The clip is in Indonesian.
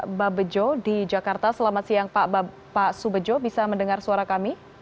mbak bejo di jakarta selamat siang pak subejo bisa mendengar suara kami